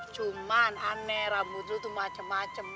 cuman aneh rambut lu tuh macem macem